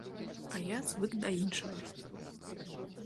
А я звык да іншага.